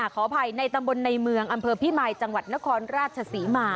ขออภัยในตำบลในเมืองอำเภอพิมายจังหวัดนครราชศรีมา